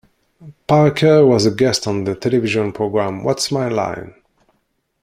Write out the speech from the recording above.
Parker was a guest on the television program What's My Line?